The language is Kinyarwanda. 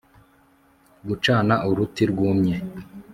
gucana uruti rwumye